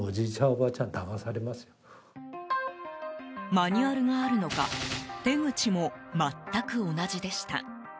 マニュアルがあるのか手口も全く同じでした。